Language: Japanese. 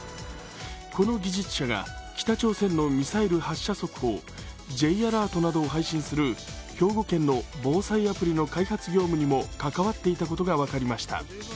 この技術者が北朝鮮のミサイル発射速報Ｊアラートなどを配信する兵庫県の防災アプリの開発業務にも関わっていたことが分かりました。